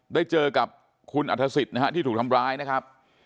ได้เจอกับคุณอัฐศิษย์นะฮะที่ถูกทำร้ายนะครับ